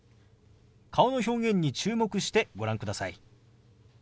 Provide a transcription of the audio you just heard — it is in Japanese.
顔の表現に注目してご覧ください。